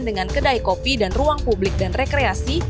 dengan kedai kopi dan ruang publik dan rekreasi